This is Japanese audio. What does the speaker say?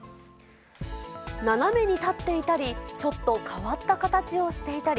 斜めに建っていたり、ちょっと変わった形をしていたり。